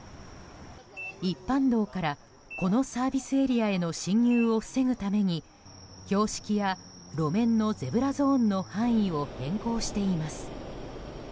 一般道からこのサービスエリアへの進入を防ぐために標識や路面のゼブラゾーンの範囲を変更しています。